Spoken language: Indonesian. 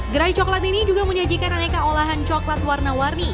gerai coklat ini juga menyajikan aneka olahan coklat warna warni